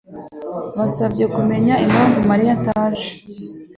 yasabye kumenya impamvu Mariya ataje.